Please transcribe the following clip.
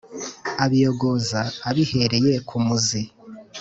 abiyogoza abihereye ku muzi;